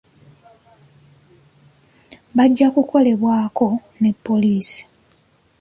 Bajja kukolebwako ne poliisi.